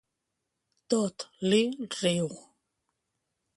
Tot li riu.